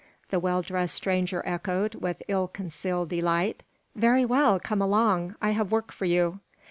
the well dressed stranger echoed, with ill concealed delight. "Very well; come along. I have work for you."